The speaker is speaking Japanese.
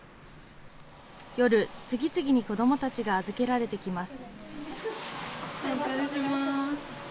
夜、次々に子どもたちが預けられてきます。